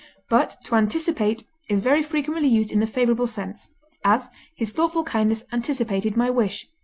But to anticipate is very frequently used in the favorable sense; as, his thoughtful kindness anticipated my wish (_i.